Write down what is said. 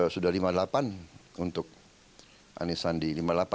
sudah lima puluh delapan untuk anisandi lima puluh delapan lima puluh sembilan